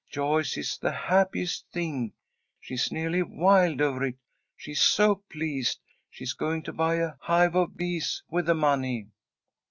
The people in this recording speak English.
Joyce is the happiest thing! She's nearly wild over it, she's so pleased. She's going to buy a hive of bees with the money."